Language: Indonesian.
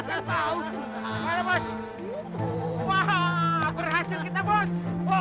hahaha ikan paus wah berhasil kita bos